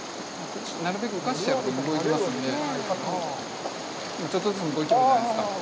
なるべく浮かしちゃうと動きますので、今、ちょっとずつ動いてるんじゃないですか。